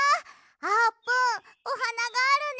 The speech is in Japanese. あーぷんおはながあるね。